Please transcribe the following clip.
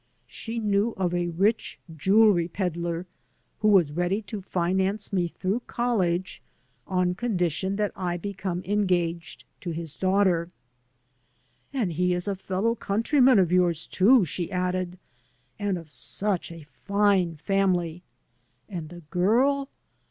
She knew of a rich jewelry peddler who was ready to finance me through college on condition that I become engaged to his daughter. "And he is a fellow countryman of yours, too," she added, "and of such a fine family! And the girl!